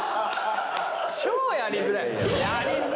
超やりづらい。